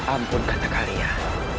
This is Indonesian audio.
ampun kata kalian